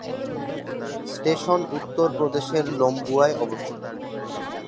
Station উত্তর প্রদেশের লম্বুয়ায় অবস্থিত।